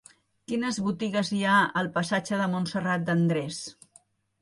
Quines botigues hi ha al passatge de Montserrat de Andrés?